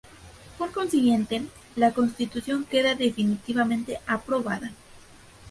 Por consiguiente, la Constitución queda definitivamente aprobada".